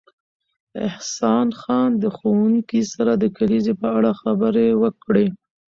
احسان خان د ښوونکي سره د کلیزې په اړه خبرې وکړې